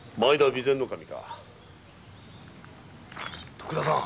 徳田さん。